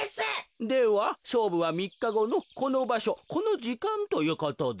ではしょうぶはみっかごのこのばしょこのじかんということで。